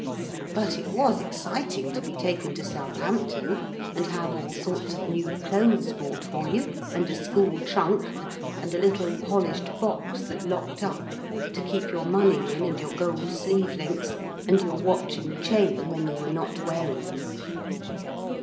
But it was exciting to be taken to Southampton, and have all sorts of new clothes bought for you, and a school trunk, and a little polished box that locked up, to keep your money in and your gold sleeve links, and your watch and chain when you were not wearing them.